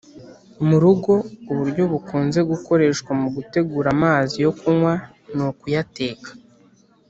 mu rugo, uburyo bukunze gukoreshwa mu gutegura amazi yo kunywa ni ukuyateka